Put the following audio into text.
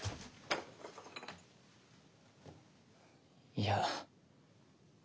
いや。